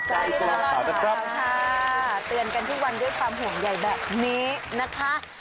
เตือนกันทุกวันด้วยความห่วงใหญ่แบบนี้นะคะ